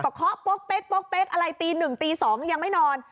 ก็เคาะป๊กเป๊กป๊กเป๊กอะไรตีหนึ่งตีสองยังไม่นอน